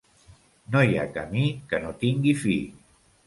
No hi ha camí que no tingui fi.